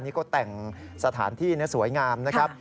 นี่ก็แต่งสถานที่สวยงามนะครับ